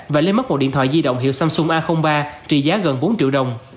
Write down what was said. và lấy mất một điện thoại di động hiệu samsung a ba trị giá gần bốn triệu đồng